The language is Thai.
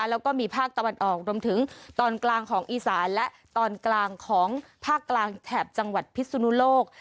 แล้วก็มีภาคตะวันออกรวมถึงตอนกลางของอีสานและตอนกลางของภาคกลางแถบจังหวัดพิศนุโลก